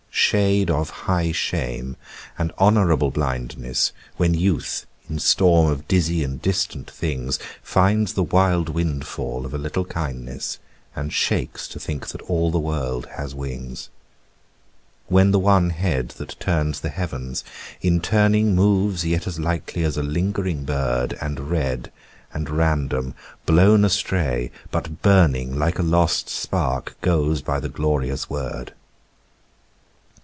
Shade of high shame and honourable blindness When youth, in storm of dizzy and distant things, Finds the wild windfall of a little kindness And shakes to think that all the world has wings. When the one head that turns the heavens in turning Moves yet as lightly as a lingering bird, And red and random, blown astray but burning, Like a lost spark goes by the glorious word.